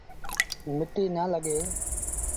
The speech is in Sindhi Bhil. مٽيٚ نا لڳي